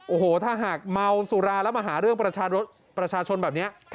โอ้โหถ้าหากเมาสุราแล้วมาหาเรื่องประชาชนแบบนี้